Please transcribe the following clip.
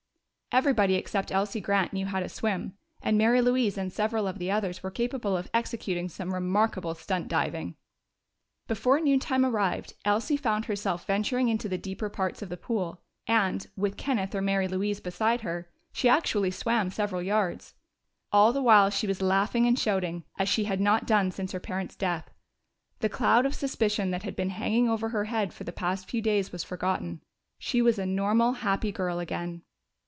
Everybody except Elsie Grant knew how to swim, and Mary Louise and several of the others were capable of executing some remarkable stunt diving. Before noontime arrived Elsie found herself venturing into the deeper parts of the pool, and, with Kenneth or Mary Louise beside her, she actually swam several yards. All the while she was laughing and shouting as she had not done since her parents' death; the cloud of suspicion that had been hanging over her head for the past few days was forgotten. She was a normal, happy girl again.